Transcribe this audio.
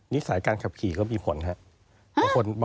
นิสัยการขับขี่ก็มีผลครับ